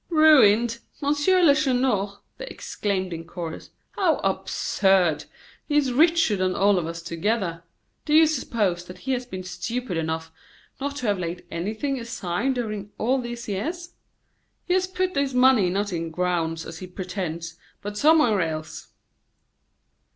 "Ruined Monsieur Lacheneur!" they exclaimed in chorus. "How absurd! He is richer than all of us together. Do you suppose that he has been stupid enough not to have laid anything aside during all these years? He has put this money not in grounds, as he pretends, but somewhere else."